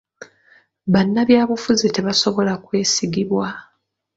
Bannabyabufuzi tebasobola kwesigibwa,